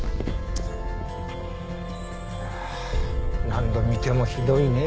何度見てもひどいね。